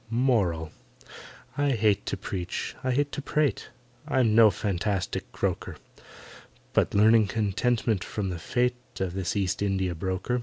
MORAL. I hate to preach—I hate to prate— I'm no fanatic croaker, But learn contentment from the fate Of this East India broker.